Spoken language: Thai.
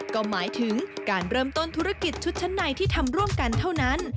ก็หมายถึงการเริ่มต้นธุรกิจชุดชั้นในที่ทำร่วมกันเท่านั้น